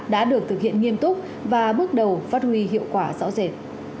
đã được thực hiện nghiêm túc và bước đầu phát huy hiệu quả rõ rệt